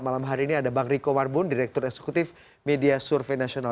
malam hari ini ada bang riko marbun direktur eksekutif media survei nasional